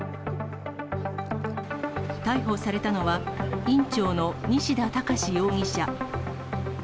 逮捕されたのは、院長の西田隆容疑者。